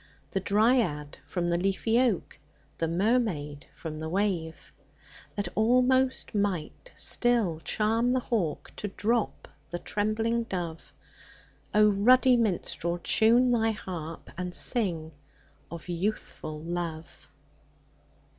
The dryad from the leafy oak, The mermaid from the wave ; That almost might still charm the hawk To drop the trembling dove? ruddy minstrel, time thy harp. And sing of Youthful Love